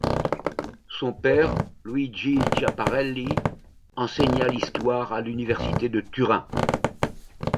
Son père Luigi Schiaparelli, enseigna l'histoire à l'Université de Turin.